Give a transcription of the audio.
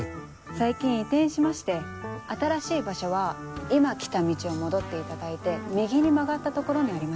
最近移転しまして新しい場所は今来た道を戻っていただいて右に曲がった所にあります。